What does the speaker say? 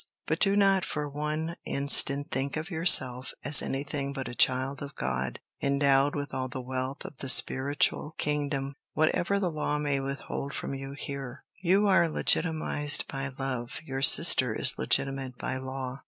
But do not for one instant think of yourself as anything but a child of God, endowed with all the wealth of the spiritual kingdom, whatever the law may withhold from you here. You are legitimized by love, your sister is legitimate by law.